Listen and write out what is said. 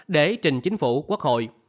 để trình chính phủ quốc hội